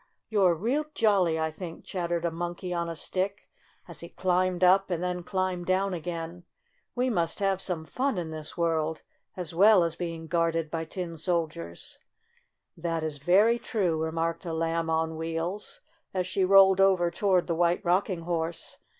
Y ou 'r e real jolly, I think," chattered a Monkey on a Stick, as he climbed up and then climbed down again. "We must have some fun in this world, as well as being guarded by Tin Soldiers." "That is very true," remarked a Lamb on Wheels, as she rolled over toward the White Rocking Horse.